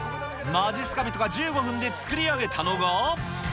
まじっすか人が１５分で作り上げたのが。